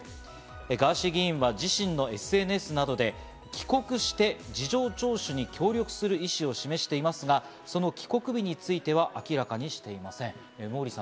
ガーシー議員は自身のＳＮＳなどで、帰国して事情聴取に協力する意思を示していますが、その帰国日については明らかにしていません。